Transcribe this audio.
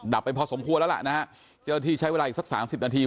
ไปพอสมควรแล้วล่ะนะฮะเจ้าหน้าที่ใช้เวลาอีกสักสามสิบนาที